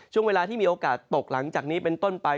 ช่วงเวลาที่มีโอกาสตกหลังจากนี้เป็นต้นไป